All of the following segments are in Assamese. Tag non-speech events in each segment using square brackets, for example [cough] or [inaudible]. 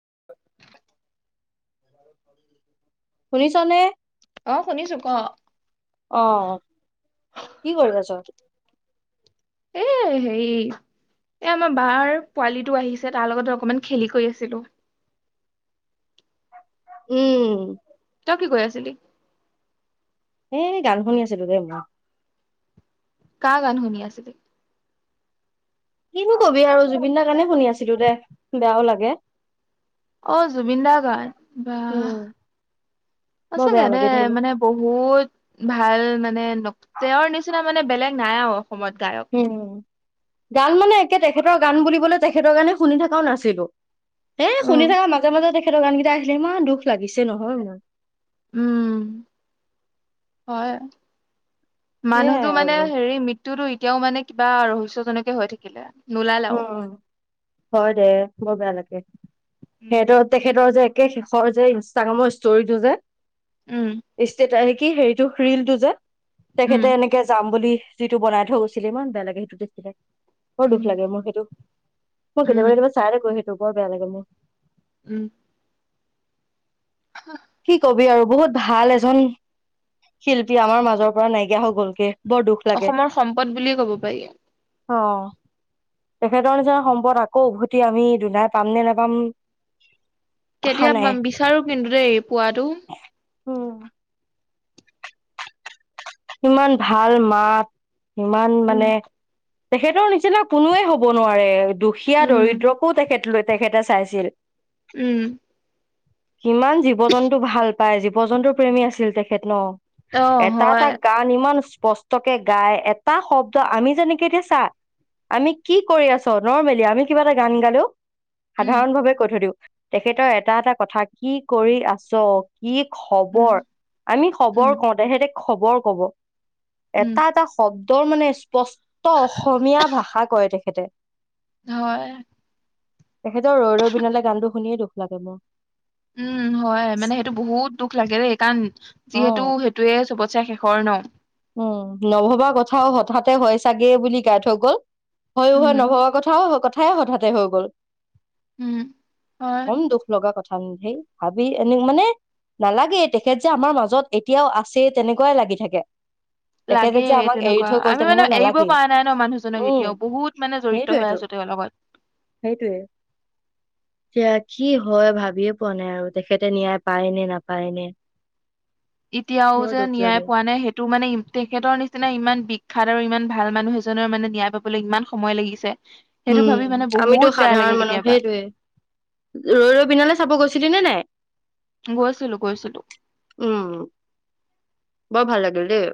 [inaudible] শুনিছ নে অ শুনিছো ক আহ কি কৰি আছ? এ হেৰি এ আমাৰ বাৰ পোৱালিটো আহিছে তাৰ লগতে অকমান খেলি কৰি আছিলো উম, তই কি কৈ আছিলি? এ গান শুনি আছিলো দেই মই। কাৰ গান শুনি আছিলি কিনো কবি আৰু জুবিন দাৰ কাৰণে শুনি আছিলো দে বেয়াও লাগে। অ' জুবিন দাৰ কাৰণ উম, বৰ বাচাগে বেয়া লাগে দেই মানে বহুত ভাল মানে তেওঁৰ নিচিনা মানে বেলেগ নাই অ' উম গান মানে একেতাই। তেখেতৰ গান বুলিবলে তেখেতৰ গানে শুনি থকাও নাছিলো। হে উম শুনি থাকা মাজে- মাজে দেখে তেখেতৰ গানকেইটা আহিলে ইমান দুখ লাগিছে নহয় মোৰ। উম -হয় মানুহতো সেয়াই আৰু মানে হেৰি মৃত্যুটো। এতিয়াও মানে কিবা ৰহস্যজনকে হৈ থাকিলে উ নোলালেও হয় দে। উ, উম সেইটোৰ তেখেতৰ যে সেই শেষৰ যে ইনষ্টাগ্ৰামৰ ষ্টোৰী টো যে। উম ষ্টেতাচ আহে কি হেৰি। এইটো ৰিল টো যে। তেখেতে উম এনেকে যাম বুলি। যিটো বনাই থৈ গৈছিলে ইমান বেয়া লাগে সেইটো দে দিছিলে। উক [unintelligible] উম লাগে মোৰ সেইটো মই উম কেতিয়াবা কেতিয়াবা চাই থাকো সেইটো চবৰ বেয়া লাগে ন, দ উম কি কবি আৰু বহুত ভাল এজন শিল্পী আমাৰ মাজৰ পৰা নাইকিয়া হৈ গ'ল। অসমৰ সম্পদ বুলিয়ে ক'ব পাৰি। অ' তেখেতৰ নিচিনা সম্পদ আকৌ উভতি আমি দুনাই পাম নে নেপাম। কেতিয়া বিচাৰো কিন্তু দেই। পোৱাটো। উম। ইমান ভাল মাত। ইমান উম। মানে। তেখেতৰ নিচিনা কোনোৱে হব নোৱাৰে দুখীয়া উম, দৰিদ্ৰকো তেখেতলৈ তেখেতে চাইছিল উম কিমান জীৱ জন্তু ভাল পাই জীৱ জন্তুৰ প্ৰেমী আছিল তেখেত ন অ এটা এটা হয় গান ইমান স্পষ্টকে গাই এটা শব্দ আমি যেনেকে এতিয়া চা আমি কি কৰি আছ নৰ্মেলি আমি কিবা এটা গান গালো উম, সাধাৰণ ভাৱে কৈ থৈ দিওঁ তেখেতৰ এটা এটা কথা কি কৰি আছ কি উম, খবৰ আমি উম। খবৰ কও‌ তেখেতে খবৰ ক'ব উম, এটা এটা শব্দ তেওঁৰ মানে স্পষ্ট ত অসমীয়া ভাষা কয় দে তেখেতে হয় তেখেতৰ ৰৈ ৰৈ বিনালে গানটো শুনিয়েই দুখ লাগে মোৰ উম হয় মানে সেইটো বহুত দুখ লাগে দেই কাৰণ অ যিহেতু সেইটোয়ে চবতছে শেষৰ ন উম নভবা কথাও হঠাতে হয় চাগে বুলি গাই থৈ গল হয় উম, হয় নভবা কথাও হয় কথা ও হঠাতে হৈ গ'ল উম হয় ই ভাবি এনে মানে নালাগেই তেখেত যে আমাৰ মাজত এতিয়াও আছে তেনেকুৱাই লাগি থাকে তেখেতে লাগে যে আমাক এৰি তেনেকুৱা থৈ গ'ল আমি মানে তেনেকুৱা এৰিব নালাগেই পৰা নাই ন মানুহজনক উম এতিয়াও বহুত মানে জড়িত হৈ সেইটোয়েতো আছো তেওঁৰ লগত সেইটোয়ে এতিয়া কি হয় ভাবিয়ে পোৱা নাই আৰু তেখেতে ন্যায় পায় নে নাপায় নে এতিয়াও বৰ যে দুখ নিয়াই লাগে পোৱা নাই সেই তোৰ মানে তেখেতৰ নিচিনা ইমান বিখ্যাত আৰু ইমান ভাল মানুহ এজনৰ মানে ন্যায় পাবলৈ ইমান সময় লাগিছে সেইটো ভাবি উম মানে আমিতো বহুত বেয়া লাগে সাধাৰণ মানুহ কেতিয়াবা সেইটোয়ে ৰৈ ৰৈ বিনালে চাব গৈছিলি নে নাই গৈছিলো গৈছিলো উম বৰ ভাল লাগিল দেই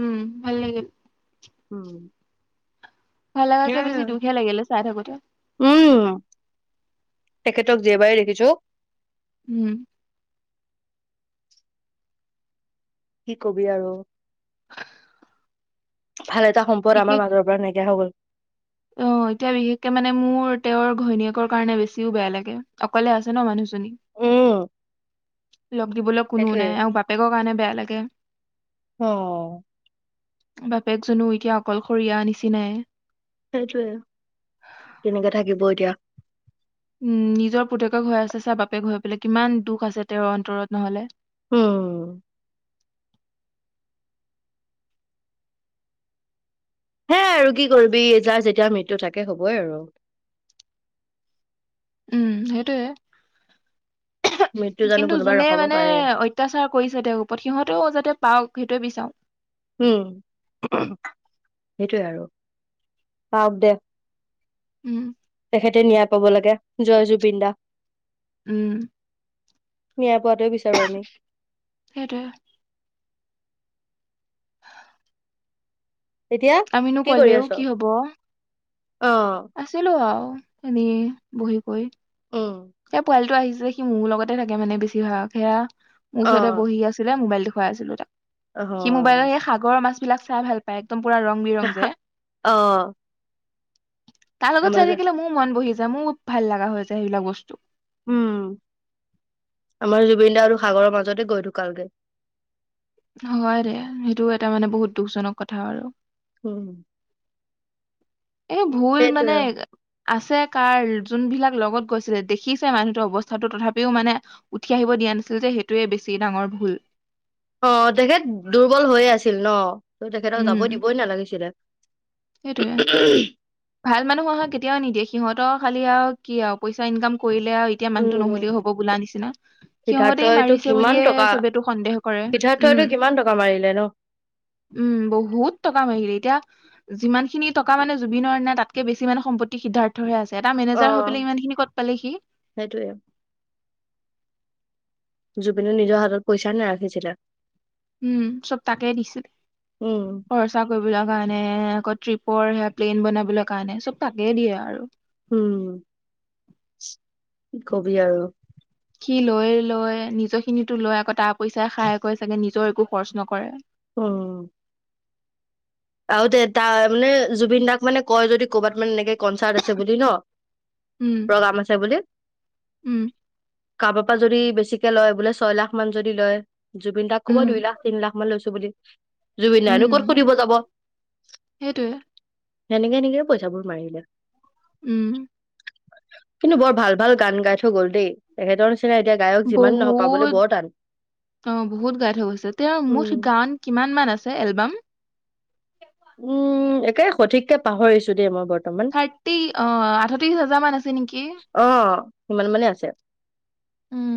উম ভাল লাগিল। উম। ভাল লগাকে বেছি সেয়াই দুখহে লাগিলে চাই থাকোতে। উম তেখেতক যেবাৰে দেখিছোঁ। উম। কি কবি আৰু, [inaudible] ভাল এটা সম্পদ আমাৰ মাজৰ পৰা নাইকিয়া হৈ গ'ল। অঁ এতিয়া বিশেষকে মানে মোৰ তেওঁৰ ঘৈণীয়েকৰ কাৰণে বেছিও বেয়া লাগে অকলে আছে ন মানুহজনী। উম। লগ দিবলৈ কোনো সেইটোৱে। নাই আৰু বাপেকৰ কাৰণে বেয়া লাগে। অ'। বাপেকজনো এতিয়া অকলশৰীয়া নিচিনাই। সেইটোয়েই কেনেকে থাকিব এতিয়া। উম, নিজৰ পুতেকক হেৰাইছে চা, বাপেক হৈ পেলাই কিমান দুখ আছে তেওঁৰ অন্তৰত নহলে। হোম। হে আৰু কি কৰিবি যাৰ যেতিয়া মৃত্যু থাকে হবই আৰু। উম সেইটোৱে। মৃত্যু জানো কিন্তু কোনোবাই যোনে ৰখাব মানে পাৰে অত্যাচাৰ কৰিছে তেওঁৰ ওপৰত সিহঁতেও যাতে পাওক সেইটোয়ে বিচাৰোঁ। উম, সেইটোৱে আৰু পাওক দে। উম। হেতি নিয়ায় পাব লাগে জয় জুবিন দা। উম। ন্যাই। পোৱাটোৱে বিচাৰো আমি। সেইটোয়ে এতিয়া আমিনো কি কৰি কলেও আছ? কি হব। অ', আছিলো আৰু, এনে বহি কৰি। উম, টো আহিছে যে, আহি মোৰ লগতে থাকে মানে বেছি ভাগ সেয়া। মোৰ ওচৰতে অ', বহি আছিলে মোবাইলটো। দেখুৱাই আছিলো তাক। সি মোবাইলৰ অ'। হে সাগৰৰ মাছ। এই বিলাক চাই ভাল পায়। একদম পোৰা ৰং বিৰং যে, অ', তাৰ লগত আমাৰ চাই যে থাকিলে মোৰ মন বহি যায়। মোৰ ভাল লগা হৈছে যায় সেইবিলাক বস্তু। উম, আমাৰ জুবিনদাৰো আৰু সাগৰৰ মাজতে গৈ ধুকালগে। হয় দে সেইটো এটা মানে বহুত দুখজনক কথা আৰু। হোম। এই ভুল মানে। আছে কাৰ যোনবিলাক লগত গৈছিলে দেখিছে মানুহটোৰ অৱস্থাটো তথাপিও মানে উঠি আহিব দিয়া নাছিল যে সেইটোৱে বেছি ডাঙৰ ভুল । অ তেখেত দুৰ্বল হৈয়ে আছিল ন, ত তেখেতক যাবই উম দিবই নালাগিছিলে, সেইটোয়ে [unintelligible] ভাল মানুহক কেতিয়াও নিদিয়ে সিহঁতৰ খালি আৰু কি আৰু পইচা ইনকাম কৰিলে আৰু এতিয়া মানুহটো নহলেও হব বোলা নিচিনা সিহঁতেই সিদ্ধাৰ্থইটো মাৰিছে কিমান বুলিয়ে টকা চবেই তো সন্দেহ কৰে সিদ্ধাৰ্থইটো উম কিমান টকা মাৰিলে ন? উম বহুত টকা মাৰিলে এতিয়া যিমান খিনি টকা মানে জুবিনৰ নাই তাতকে বেছি সম্পত্তি সিদ্ধাৰ্থহে আছে । এটা মেনেজাৰ হৈ অ', পেলাই ইমান খিনি কত পালেহি? সেইটোয়ে জুবিনো নিজৰ হাতত পইচা নাৰাখিছিলে, উম চব তাকে দিছিলে উম, খৰচা কৰিবলৈ কাৰণে আকৌ টিপ পৰ সেয়া প্লেইন বনাবলৈ কাৰণে চব তাকে দিয়ে আৰু উম কবি আৰু কি লয় লয় নি খিনিতো লৈ আকৌ পইচাই খাই কৰে চাগে নিজৰ একো খৰচ নকৰে । উম আৰু তে তাৰ মানে জুবিন দাক মানে কয় যদি ক'বাত মানে এনেকে কনচাৰ্ট আছে, হৈছে বুলি ন উম প্ৰগ্ৰাম আছে বুলি উম কাৰোবাৰ পৰা যদি বেছিকে লয় বোলে ছয় লাখ মান যদি লয় জুবিন দাক ক'ব দুই উম লা তিনি লাখা‌ মান লৈছো । বুলি জুবিন দাই‌নো ক'ত উম সুধিব যাব, সেইটোৱে সেনেকে এনেকে পইচাবোৰ মাৰিলে উম কিন্তু বৰ ভাল ভাল গান গাই থৈ গ'ল দেই তেখেতৰ নিচিনা এতিয়া গায়ক যিমান নহওক পাবলৈ বহুত বৰ টান। অ বহুত গাই থৈ গৈছে তেওঁৰ উম, মুঠ গান কিমান মান আছে এলবাম? উম একে সঠিককে পাহৰিছো দেই মই বৰ্তমান থাৰ্টি অ আঠত্ৰিশ হাজাৰ মান আছে নেকি? অ', সিমান মানে আছে । উম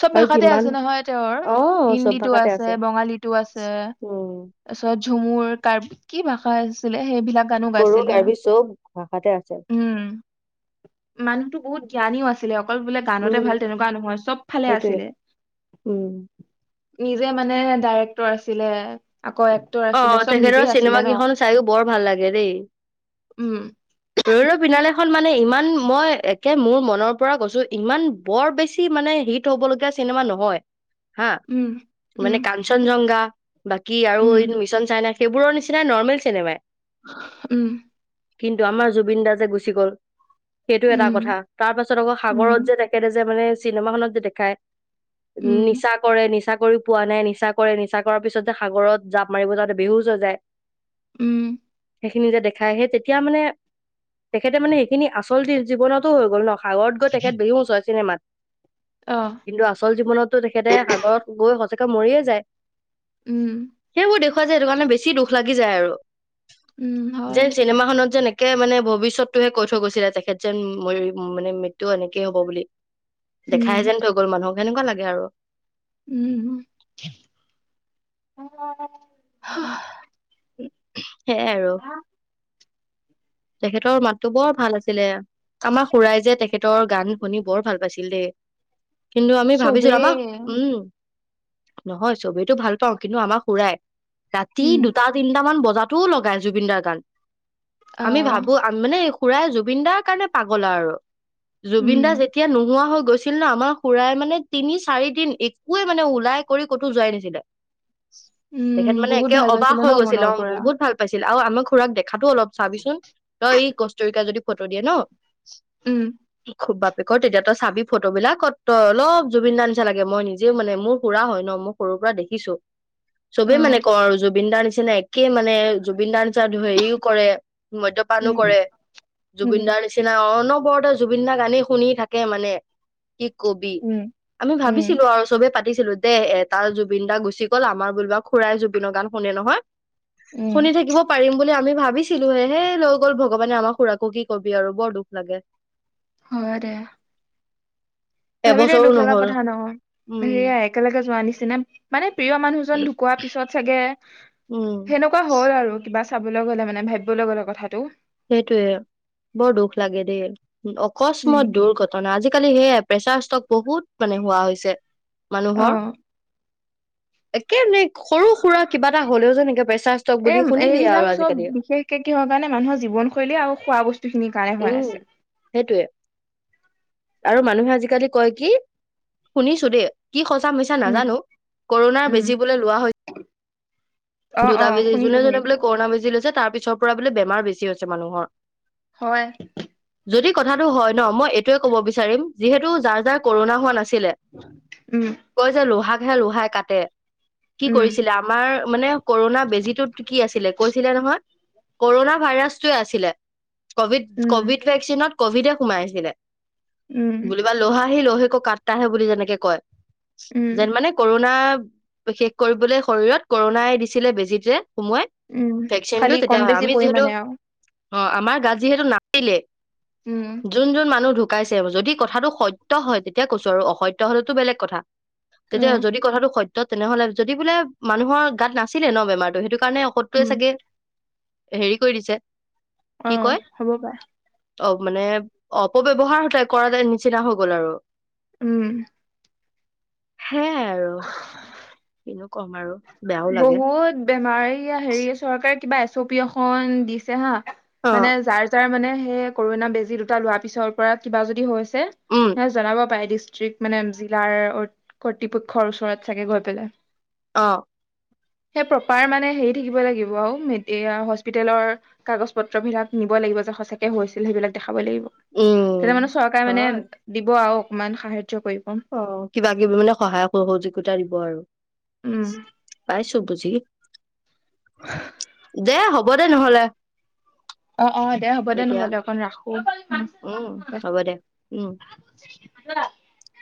চব ভাষাতে আছে নহয় তেওঁৰ অ', চব হিন্দীটো ভাষাতে আছে বঙালীটো আছে উম, তাৰপিছত ঝুমুৰ, কাৰ্বি কি ভাষা আছিলে সেইবিলাক? গানো বড়ো, গাইছিলে কাৰ্বি চব ভাষাতে আছে। উম মানুহটো বহুত জ্ঞানিও আছিলে অকল বোলে গানতে উম, ভাল চফা নহয় চব ফালে সেইটোয়ে আছিলে উম। নিজে মানে ডাইৰেক্টৰ আছিলে আকৌ এক্টৰ অ আছিলে চব তেখেতৰ নিজেই আছিলে চিনেমা ন কেইখন চাইো বৰ ভাল লাগে দেই উম ৰ ৰ বিনালে খন মানে ইমান মই একে মোৰ মনৰ পৰা গৈছো ইমান বৰ বেছি মানে হিট হব লগগীয়া চিনেমা নহয় হা উম উম মানে কাঞ্চনজংঘা বাকী আৰু উম মিচন চাইনানাই সেইবোৰৰ নিচিনা নৰ্মেল চনেমাই উম কিন্তু আমাৰ জুবিন দে গুচি গ'ল সেইটো এটা উম কথা তাৰ পাছত আকৌ উম সাগৰত যে তেখেতে যে মানে চিনেমা খননত যে দেখায় উম নিচা কৰে নিচা কৰি পোৱা নাই নিচা কৰে নিচা কৰাৰ পিছত যে সাগৰত জাঁপ মাৰিব যাওঁতে বিহুজ হৈ যায় উম সেইখিনি যে দেখাই আহে তেতিয়া মানে তেখেতে মানে সেইখিনি আচল জীৱনতো হৈ গ'ল ন সাগৰ গৈ তেখেত বিহুও নচোৱা চিনেমাত আহ কিন্তু আচল জীৱনতো তেখেতে সাগৰত গৈ সঁচাকে এ মৰিয়ে যায় উম সেইবোৰ দেখুুৱা যায় সেইটো কাৰণে বেছি দুখ লাগি যায় আৰু উম হয় যেন চিনেমা খনত যেনে কে মানে ভৱিষ্যতটোহে কৈ থৈ গৈছিলে তেখেত যেন ম মানে মৃত্যু এনেকেই হ'ব বুলি উম দেখাইে যেন থৈ গল মানুহক সেনেকোৱা লাগে আৰু উম [unintelligible] সেয়াই আৰু তেখেতৰ মাতটো বৰ ভাল আছিলে আমাৰ খুৰাই যে তেখেতৰ গান শুনি বৰ ভাল পাইছিল দেই কিন্তু আমি ভাবিছিলো আমাক চবেই উম নহয় চবিতটো ভাল পাওঁ কিন্তু আমাৰ খুড়াই ৰাতি উম দুটা তিনি নাম অলমান বজাতটোও লগাই জুবিনদাৰ গান আমি আহ ভাবো মানে খুড়াই জুবিন দাৰ কাৰণে পাগল আৰু। উম জুবিন দাৰ যেতিয়া নোহোৱা হৈ গল গৈছিল ন আমাৰ খুডাৰাই মানে তিনি চাৰি দিন একোৱে মানে ওলাই কৰি ক'তো যোৱাই নাছিলে উম তেখেত মানে বহুত একে ভাল অবাক পাইছিলে হৈ ন গৈছে । মনৰ শ্বিলঙৰ পৰা বহুত ভাল পাইছিলো আৰু আম খুৰাক দেখে [unintelligible] খাব অলপ চাবিচোন তই এই কষ্টৰিকা যদি [unintelligible] ফটো দিয়ে ন উম খুব ব ক তেতিয়া তো চাবি ফটোবলাক কত তই অলপ জুবিন দাৰ নিচা লাগে মই নিজেও মানে মোৰ খুৰা হয় ন মোৰ সৰুৰ পৰা দেখিছো চবেই আহ মানে ক জুবিন দাৰ নিচিনা একে কি মানে জুবিনদাৰ নিচিনা হেৰিও কৰে মদ্যপানো উম কৰে জুবিন উম দাৰ নিচিনা অকন। বৰতে জুবিন দা গানেই শুনি থাকে মানে। কি কবি উম আমি উম ভাবিছিলো আৰু চবে পাতি। পাতিছিলো দে এ তাৰ জুবিন দা গুচি গ'ল আমাৰ বোলা খুৰাই জুবিনৰ গান শুনে নহয়। উম শুনি থাকিব পাৰিম বুলি আমি। ভাবিছিলো হে হেই লৈ গল ভগৱানে আমাক খুৰাকো কি কবি আৰু বৰ দুখ লাগে। হয় দে। ভাবিলে এবছৰো দুখ লগা নহল কথা ন উম সেয়াই একেলগে যোৱা নিচিনা মানে প্ৰিয় মানুহজন ঢুকোৱাৰ পিছত চাগে। উম সেনেকুৱা হ'ল আৰু কিবা। চাবলৈ গ'লে মানে ভাবিবলৈ গ'লে কথাটো। সেইটোৱে বৰ দুখ লাগে দেই উম অকস্মাত দুৰ্ঘটনা আজিকালি সেয়ে। প্ৰেচাৰ ষ্ট্ৰক বহুত মানে হোৱা হৈছে। অ মানুহৰ। এ কেনে? সৰু সুৰা কিবা এটা হলেও যেনেকে প্ৰেছাৰ ষ্টক এ বুলি শুনিবি এইবিলাক আও চব আজিকালি। বিশেষকে কিহৰ কাৰণে মানুহৰ জীৱনশৈলী আৰু খোৱা বস্তু। সেই খিনি কাৰণে হোৱা উম আছে। সেইটোয়ে আৰু মানুহে আজিকালি কয় কি শুনিছো দেই। কি সঁচা মিছা উম নাজানো কৰোণাৰ উম বেজি বুলে লোৱা হৈ। অ অ দুটা বেজি শুনিছো যোনে যোনে শুনিছো বোলে কৰোণা বেজি লৈছে তাৰ পিছত। ছৰ পৰা বোলে বেমাৰ বেছি হৈছে মানুহৰ। হয়। যদি কথাটো হয় ন মই এইটোৱে ক'ব বিচাৰিম যিহেতু যাৰ যাৰ কৰোণা হোৱা নাছিলে উম কয় যে লোহা লোহাই কাটে কি উম কৰিছিলে আমাৰ মানে পুৰণা বেজীটো ত কি আছিলে কৈছিলে নহয় কৰোণা ভাইৰাছ টোৱে আছিলে কভিড উম কভিড ভেকচিনত কভিডে সোমাইছিলে উম বুলিবা লহা সি লোহেক কাট্টাহে বুলি যেনেকে কয় উম যেন মানে কৰোণা শেষ কৰিবলৈ শৰীৰত কৰোণাই দিছে ছিলে বেজিতে উম, খালি কম বেছি যিহেতু পৰিমাণে আৰু অ, আমাৰ গাত যিহেতটো নাচিলে উম যোন-যোন মানুহ ঢুক কাইছে যদি কথাটো সত্য় হয় তেতিয়া কৈছো আৰু অসত্য হলেতো বেলেগ কথা অ তেতিয়া যদি কথাটো সত্য় ত-তেনেহলে, যদি বোলে মানুহৰ গাত না ছিলে ন বেমাৰটো সেইটো কাৰণে ঔষধটোৱে উম চাগে হেৰি কৰি দিছে কি অ, কয় হ'ব পাৰে অ মানে, অপব্যৱহাৰ কৰা নিচিনা হৈ গ'ল আৰু উম সে আৰু, কিনো কম আৰু বেয়াও লাগে বহুত বেমাৰ এইয়া হেৰি চৰকাৰে কিবা এছ অ' পি এখন দিছে হা অ মানে যাৰ যাৰ মানে সে কৰোনা বেজি দুটা লোৱাৰ পিছৰ পৰা কিবা যদি হৈছে উম হে জনাব পাৰে দিছ মানে জিলাৰ অ-কৰ্তৃপক্ষৰ ওচৰত চাগে গৈ পেলাই। অ। সেই প্ৰপাৰ মানে হেৰি থাকিব লাগিব আৰু মে এইয়া হস্পিতালৰ কাগজ পত্ৰ বিলাক নিব লাগিব যে সচাকে হৈছিল সেইবিলাক দেখা খাবই লাগিব উম তেতিয়া মানে চৰকাৰে মানে হয় দিব আৰু ইমান সাহ্য অ কিবা কিবি মানে সহায় সহযোগিতা দিব আৰু। উম পাই বুজি, দে হ'ব দে নহলে। অ অ দে, হ'ব দে এতিয়া নহলে অকন ৰাখো, উম উম বাই। হ'ব দে উম [unintelligible]